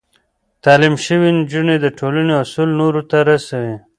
تعليم شوې نجونې د ټولنې اصول نورو ته رسوي.